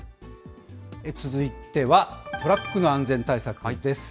続いては、トラックの安全対策です。